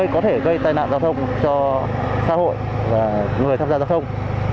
có thể gây tai nạn giao thông cho xã hội và người tham gia giao thông